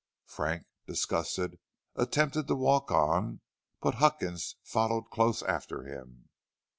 Frank, disgusted, attempted to walk on, but Huckins followed close after him.